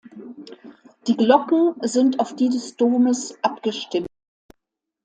Die Glocken sind auf die des Domes abgestimmt.